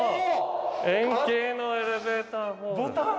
円形のエレベーターホール。